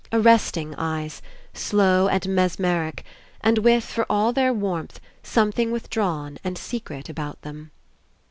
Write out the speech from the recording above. Arresting eyes, slow and mesmeric, and with, for all their warmth, something withdrawn and secret about them.